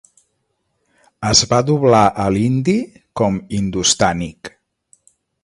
Es va doblar a l'hindi com "hindustànic".